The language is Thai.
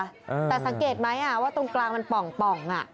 แต่สังเกตไหมอ่ะว่าตรงกลางมันป่องอ่ะ